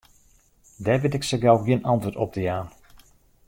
Dêr wit ik sa gau gjin antwurd op te jaan.